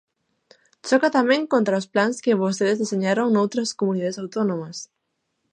Choca tamén contra os plans que vostedes deseñaron noutras comunidades autónomas.